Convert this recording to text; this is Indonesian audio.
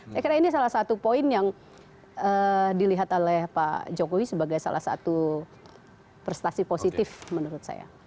saya kira ini salah satu poin yang dilihat oleh pak jokowi sebagai salah satu prestasi positif menurut saya